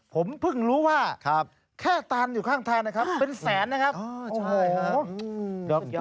ผมเพิ่งรู้ว่าแค่ตานอยู่ข้างทางนะครับเป็นแสนนะครับอ๋อใช่ครับอืมสุดยอด